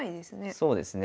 そうですね。